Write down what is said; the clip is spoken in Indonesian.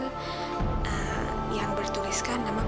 ehm yang bertuliskan nama nenek